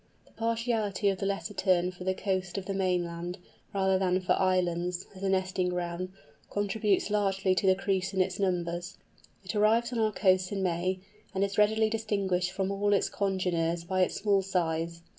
The partiality of the Lesser Tern for the coast of the mainland, rather than for islands, as a nesting ground, contributes largely to the decrease in its numbers. It arrives on our coasts in May, and is readily distinguished from all its congeners by its small size.